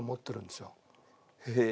へえ。